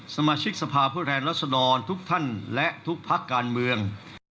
สมาชิกสภาพผู้แทนรัศดรทุกท่านและทุกพักการเมือง